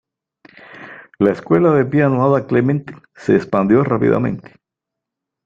La Escuela de Piano Ada Clement se expandió rápidamente.